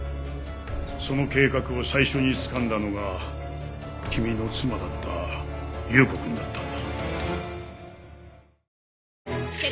その計画を最初につかんだのが君の妻だった有雨子くんだったんだ。